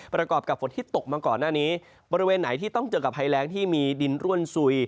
ประกอบกับฝนที่ตกมาก่อนหน้านี้บริเวณไหนที่ต้องเจอกับภัยแรงที่มีดินร่วนสุย